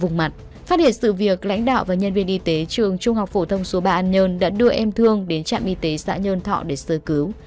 vùng mặt phát hiện sự việc lãnh đạo và nhân viên y tế trường trung học phổ thông số ba an nhơn đã đưa em thương đến trạm y tế xã nhơn thọ để sơ cứu